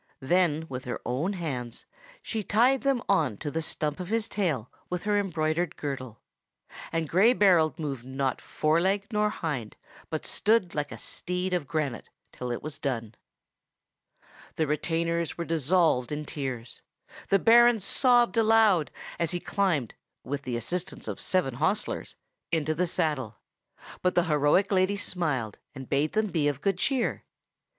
Then with her own hands she tied them on to the stump of his tail with her embroidered girdle; and Gray Berold moved not fore leg nor hind, but stood like a steed of granite till it was done. The retainers were dissolved in tears; the Baron sobbed aloud as he climbed, with the assistance of seven hostlers, into the saddle; but the heroic lady smiled, and bade them be of good cheer.